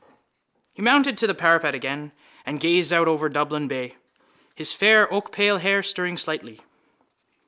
He mounted to the parapet again and gazed out over Dublin bay, his fair oakpale hair stirring slightly.